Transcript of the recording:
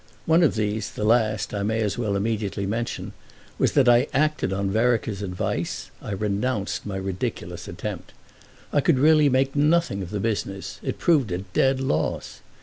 One of these, the last, I may as well immediately mention, was that I acted on Vereker's advice: I renounced my ridiculous attempt. I could really make nothing of the business; it proved a dead loss.